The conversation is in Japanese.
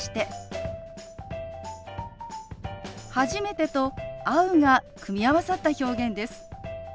「初めて」と「会う」が組み合わさった表現です。